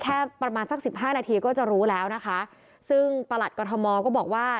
แค่ประมาณสักสิบห้านาทีก็จะรู้แล้วนะคะซึ่งประหลัดกรทมก็บอกว่า